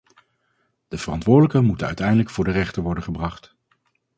De verantwoordelijken moeten uiteindelijk voor de rechter worden gebracht.